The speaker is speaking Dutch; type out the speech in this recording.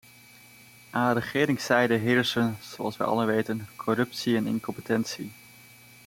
Aan regeringszijde heersen, zoals we allen weten, corruptie en incompetentie.